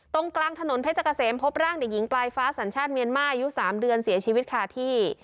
ตรงกลางถนนเพชรเกษมพบร่างเด็กหญิงปลายฟ้าสัญชาติเมียนมาอายุ๓เดือนเสียชีวิตค่ะที่